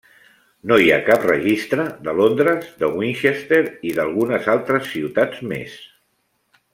No hi ha cap registre de Londres, de Winchester i d'algunes altres ciutats més.